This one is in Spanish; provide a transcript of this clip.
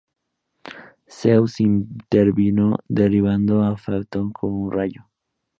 Zeus intervino derribando a Faetón con un rayo.